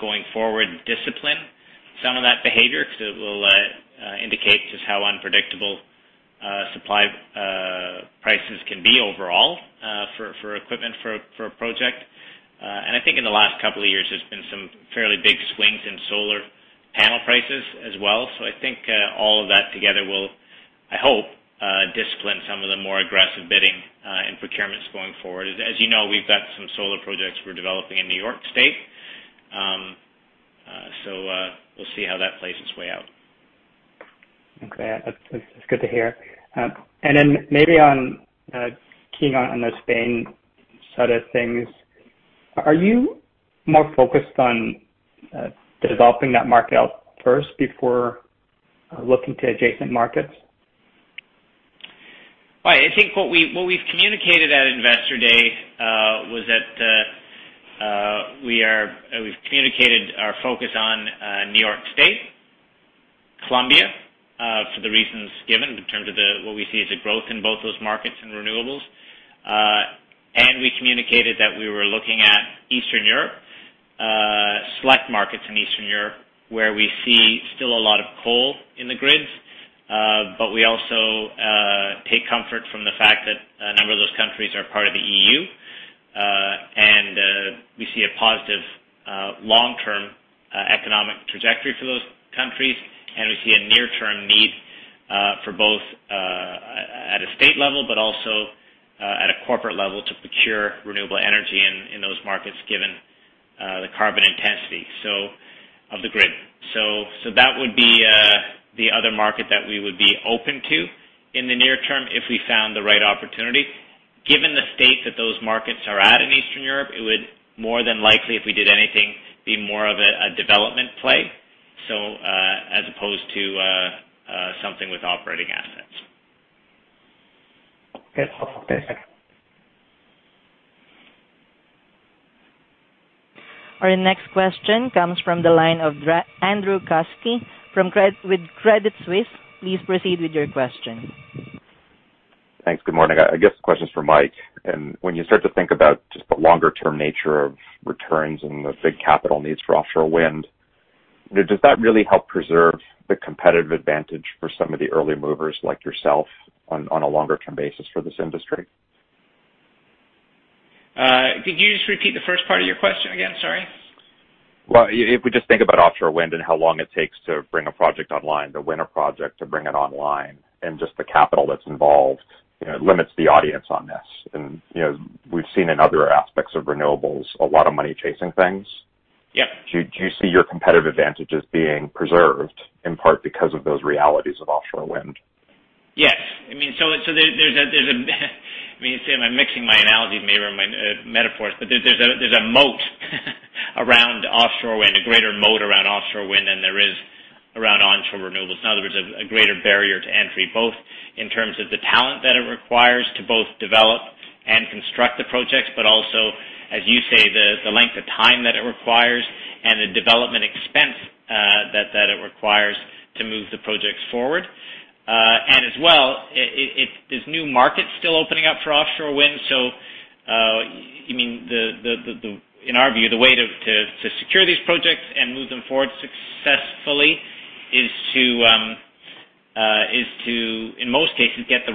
going forward, discipline some of that behavior because it will indicate just how unpredictable supply prices can be overall for equipment for a project. I think in the last couple of years, there's been some fairly big swings in solar panel prices as well. I think all of that together will, I hope, discipline some of the more aggressive bidding and procurements going forward. As you know, we've got some solar projects we're developing in New York State. We'll see how that plays its way out. Okay. That's good to hear. Maybe keying on the Spain side of things, are you more focused on developing that market out first before looking to adjacent markets? Right. I think what we've communicated at Investor Day was that we've communicated our focus on New York State, Colombia, given in terms of what we see as growth in both those markets and renewables. We communicated that we were looking at Eastern Europe, select markets in Eastern Europe, where we see still a lot of coal in the grids. We also take comfort from the fact that a number of those countries are part of the EU, and we see a positive long-term economic trajectory for those countries. We see a near-term need for both at a state level, but also at a corporate level to procure renewable energy in those markets, given the carbon intensity of the grid. That would be the other market that we would be open to in the near term if we found the right opportunity. Given the state that those markets are at in Eastern Europe, it would more than likely, if we did anything, be more of a development play, as opposed to something with operating assets. Very helpful, thank you. Our next question comes from the line of Andrew Kuske with Credit Suisse. Please proceed with your question. Thanks. Good morning. I guess the question's for Mike. When you start to think about just the longer-term nature of returns and the big capital needs for offshore wind, does that really help preserve the competitive advantage for some of the early movers like yourself on a longer-term basis for this industry? Could you just repeat the first part of your question again? Sorry. If we just think about offshore wind and how long it takes to bring a project online, to win a project, to bring it online, and just the capital that's involved, it limits the audience on this. We've seen in other aspects of renewables, a lot of money chasing things. Yeah. Do you see your competitive advantages being preserved, in part because of those realities of offshore wind? I mean, I'm mixing my analogies maybe, or my metaphors, but there's a moat around offshore wind, a greater moat around offshore wind than there is around onshore renewables. In other words, a greater barrier to entry, both in terms of the talent that it requires to both develop and construct the projects, but also, as you say, the length of time that it requires and the development expense that it requires to move the projects forward. As well, there's new markets still opening up for offshore wind. In our view, the way to secure these projects and move them forward successfully is to, in most cases, get a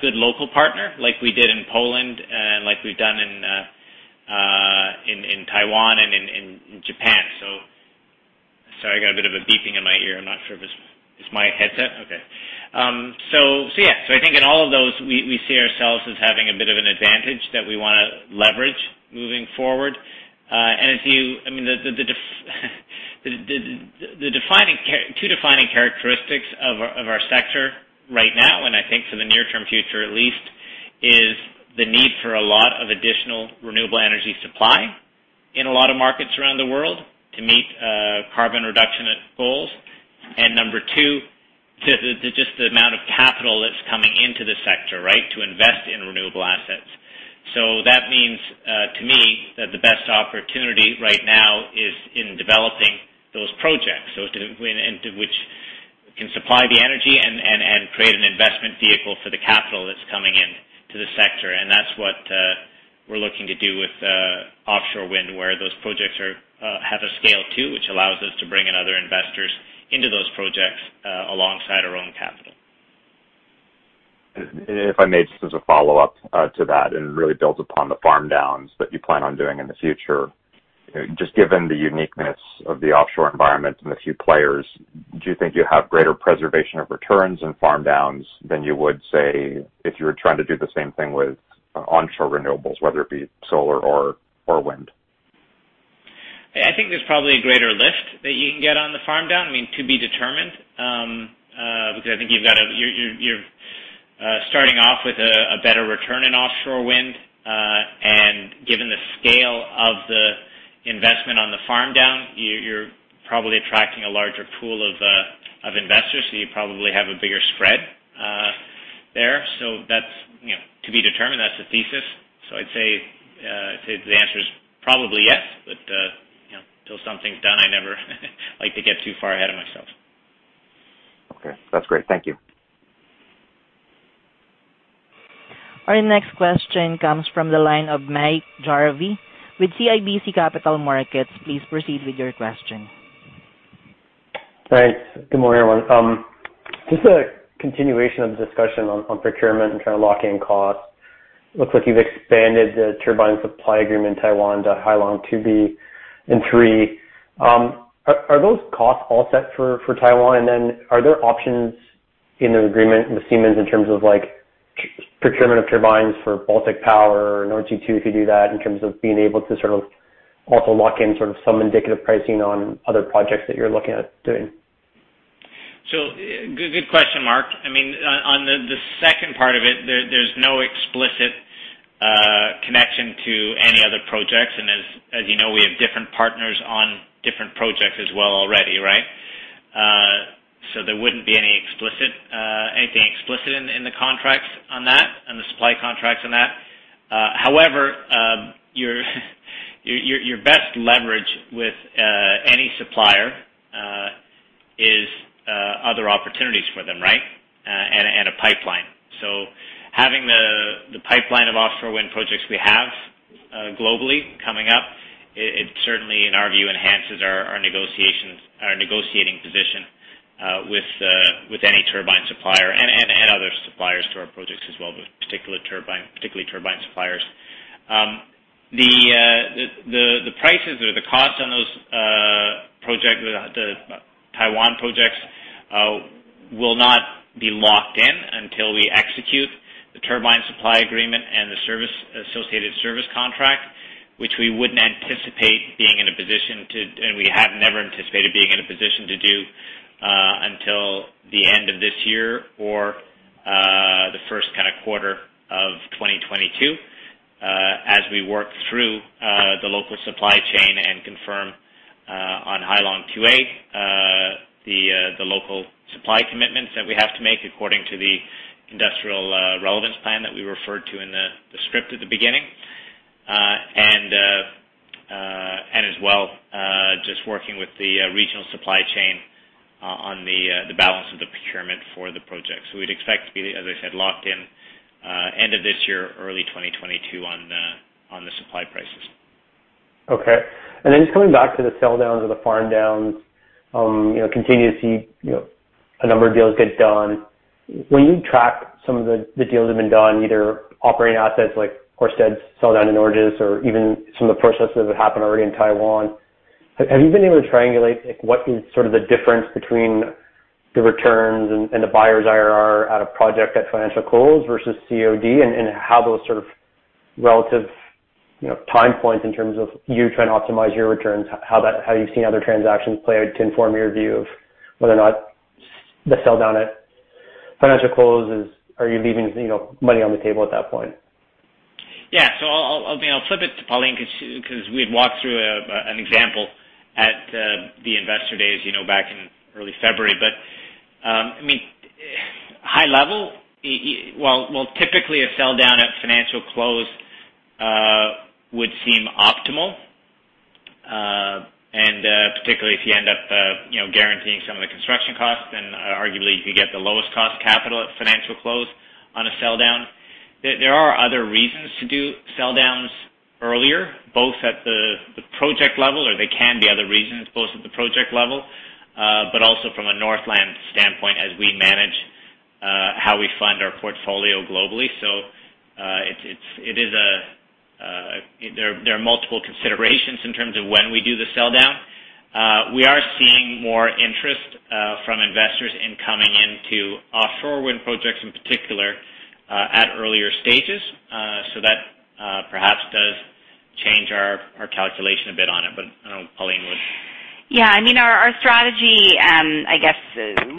good local partner, like we did in Poland and like we've done in Taiwan and in Japan. Sorry, I got a bit of a beeping in my ear. I'm not sure if it's my headset. I think in all of those, we see ourselves as having a bit of an advantage that we want to leverage moving forward. The two defining characteristics of our sector right now, and I think for the near-term future at least, is the need for a lot of additional renewable energy supply in a lot of markets around the world to meet carbon reduction goals. Number two, just the amount of capital that's coming into the sector, right, to invest in renewable assets. That means, to me, that the best opportunity right now is in developing those projects which can supply the energy and create an investment vehicle for the capital that's coming in to the sector. That's what we're looking to do with offshore wind, where those projects have a scale, too, which allows us to bring in other investors into those projects alongside our own capital. If I may, just as a follow-up to that and really build upon the farm downs that you plan on doing in the future, just given the uniqueness of the offshore environment and the few players, do you think you have greater preservation of returns and farm downs than you would, say, if you were trying to do the same thing with onshore renewables, whether it be solar or wind? I think there's probably a greater lift that you can get on the farm down. To be determined, because I think you're starting off with a better return in offshore wind. Given the scale of the investment on the farm down, you're probably attracting a larger pool of investors, so you probably have a bigger spread there. That's to be determined. That's the thesis. I'd say the answer is probably yes. Until something's done, I never like to get too far ahead of myself. Okay. That's great. Thank you. Our next question comes from the line of Mark Jarvi with CIBC Capital Markets. Please proceed with your question. Thanks. Good morning, everyone. Just a continuation of the discussion on procurement and trying to lock in costs. Looks like you've expanded the turbine supply agreement in Taiwan to Hai Long 2B and 3. Are those costs all set for Taiwan? Are there options in the agreement with Siemens in terms of procurement of turbines for Baltic Power or N2, if you do that, in terms of being able to sort of also lock in some indicative pricing on other projects that you're looking at doing? Good question, Mark. On the second part of it, there's no explicit connection to any other projects. As you know, we have different partners on different projects as well already, right? There wouldn't be anything explicit in the contracts on that, on the supply contracts on that. Your best leverage with any supplier is other opportunities for them, right? A pipeline. Having the pipeline of offshore wind projects we have globally coming up, it certainly, in our view, enhances our negotiating position with any turbine supplier and other suppliers to our projects as well, but particularly turbine suppliers. The prices or the costs on those Taiwan projects will not be locked in until we execute the turbine supply agreement and the associated service contract, which we wouldn't anticipate being in a position to, and we have never anticipated being in a position to do until the end of this year or the first quarter of 2022 as we work through the local supply chain and confirm on Hai Long 2A the local supply commitments that we have to make according to the industrial relevance plan that we referred to in the script at the beginning. As well, just working with the regional supply chain on the balance of the procurement for the project. We'd expect to be, as I said, locked in end of this year or early 2022 on the supply prices. Okay. Just coming back to the sell-downs or the farm-downs, continue to see a number of deals get done. When you track some of the deals that have been done, either operating assets like Hornsea sell down in Ørsted or even some of the processes that happened already in Taiwan, have you been able to triangulate what is sort of the difference between the returns and the buyer's IRR at a project at financial close versus COD and how those sort of relative time points in terms of you trying to optimize your returns, how you've seen other transactions play out to inform your view of whether or not the sell down at financial close is, are you leaving money on the table at that point? I'll flip it to Pauline because we had walked through an example at the investor days back in early February. High level, while typically a sell down at financial close would seem optimal, and particularly if you end up guaranteeing some of the construction costs, then arguably you could get the lowest cost capital at financial close on a sell down. There are other reasons to do sell downs earlier, both at the project level, or there can be other reasons both at the project level, but also from a Northland standpoint as we manage how we fund our portfolio globally. There are multiple considerations in terms of when we do the sell-down. We are seeing more interest from investors in coming into offshore wind projects in particular, at earlier stages. That perhaps does change our calculation a bit on it. I know Pauline would. Yeah. Our strategy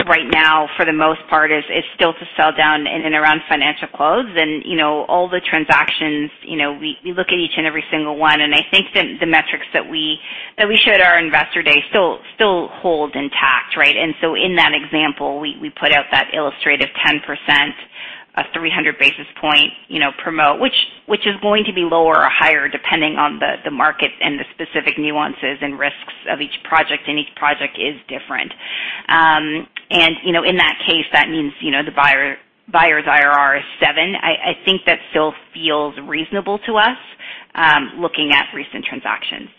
right now for the most part, is still to sell down in and around financial close and all the transactions, we look at each and every single one, and I think that the metrics that we showed our Investor Day still hold intact, right. In that example, we put out that illustrative 10% of 300 basis point promote, which is going to be lower or higher depending on the market and the specific nuances and risks of each project. Each project is different. In that case, that means the buyer's IRR is 7. I think that still feels reasonable to us, looking at recent transactions.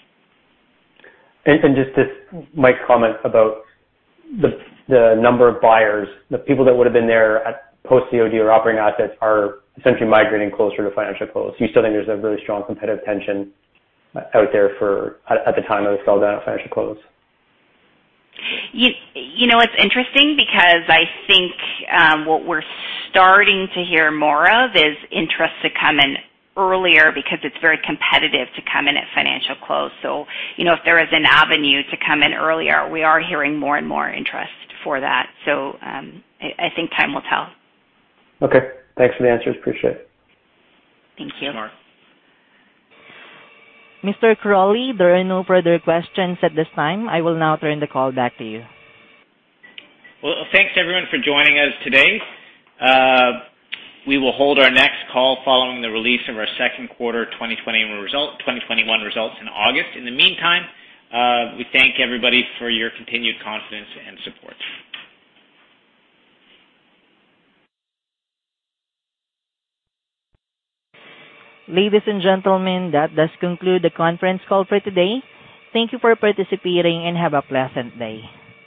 Just to Mike Crawley comment about the number of buyers, the people that would've been there at post COD or operating assets are essentially migrating closer to financial close. Do you still think there's a very strong competitive tension out there at the time of the sell-down at financial close? It's interesting because I think what we're starting to hear more of is interest to come in earlier because it's very competitive to come in at financial close. If there is an avenue to come in earlier, we are hearing more and more interest for that. I think time will tell. Okay. Thanks for the answers. Appreciate it. Thank you. Sure. Mr. Crawley, there are no further questions at this time. I will now turn the call back to you. Well, thanks everyone for joining us today. We will hold our next call following the release of our second quarter 2021 results in August. In the meantime, we thank everybody for your continued confidence and support. Ladies and gentlemen, that does conclude the conference call for today. Thank you for participating, and have a pleasant day.